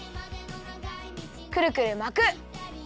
くるくるまく！